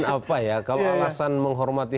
apa ya kalau alasan menghormati